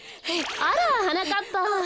あらはなかっぱ。